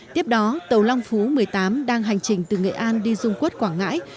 tiếp đó tàu long phú một mươi tám đang hành trình từ nghệ an đi dung quất quảng ngãi